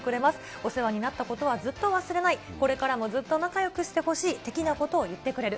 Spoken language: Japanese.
お世話になったことはずっと忘れない、これからもずっと仲よくしてほしい。的なことを言ってくれる。